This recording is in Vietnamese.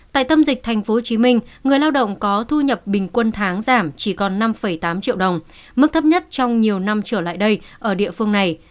tại tâm dịch tp hcm người lao động có thu nhập bình quân tháng giảm chỉ còn năm tám triệu đồng mức thấp nhất trong nhiều năm trở lại đây ở địa phương này